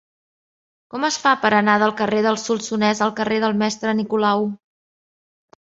Com es fa per anar del carrer del Solsonès al carrer del Mestre Nicolau?